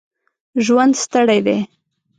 ژوند ستړی دی.